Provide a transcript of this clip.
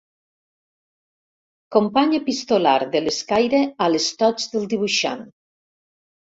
Company epistolar de l'escaire a l'estoig del dibuixant.